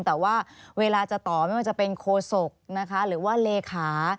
แต่ว่าเวลาจะต่อไม่ว่าจะเป็นโคศกนะคะหรือว่าเลขา